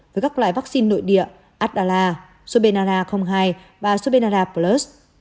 với các loại vaccine nội địa adala subenara hai và subenara plus